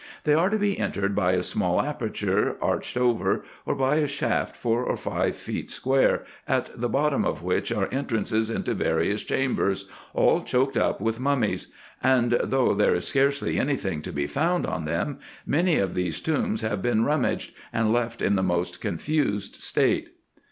They are to be entered by a small aperture, arched over, or by a shaft four or five feet square, at the bottom of which are entrances into various chambers, all choked up with mummies : and though there is scarcely any thing to be found on them, many of these tombs have been rummaged, and left in the most confused state.